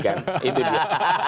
kan itu dia